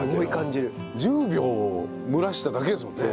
１０秒蒸らしただけですもんね？